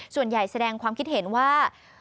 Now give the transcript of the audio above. ส่วนใหญ่แสดงความคิดเห็นว่า